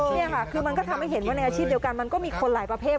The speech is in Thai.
นี่ค่ะคือมันก็ทำให้เห็นว่าในอาชีพเดียวกันมันก็มีคนหลายประเภท